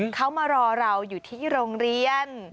เขามารอเราอยู่ที่โรงเรียน